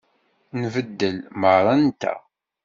Nbeddel merra-nteɣ.